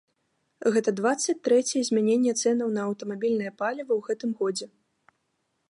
Гэта дваццаць трэцяе змяненне цэнаў на аўтамабільнае паліва ў гэтым годзе.